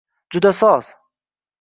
Juda soz..